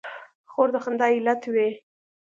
خور د خندا علت وي.